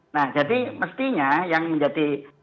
nah jadi mestinya yang menjadi